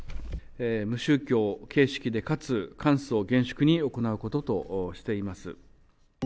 無宗教形式でかつ簡素・厳粛に行うこととしています。